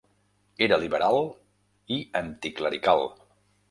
Era liberal i anticlerical.